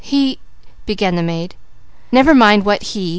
He " began the maid. "Never mind what 'he.'